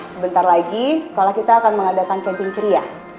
sebentar lagi sekolah kita akan mengadakan camping ceria